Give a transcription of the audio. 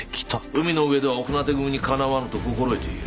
海の上では御船手組にかなわぬと心得ていよう。